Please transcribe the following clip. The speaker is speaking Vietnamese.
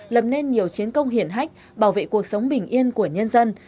lập nên nhiều chiến công hiển hách bảo vệ cuộc sống bình yên của nhân dân